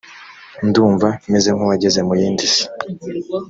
ndumva meze nk uwageze mu yindi si